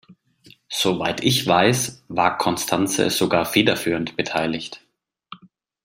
Soweit ich weiß, war Constanze sogar federführend beteiligt.